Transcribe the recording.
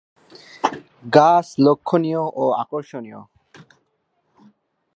গাছ লক্ষ্যণীয় ও আকর্ষণীয়।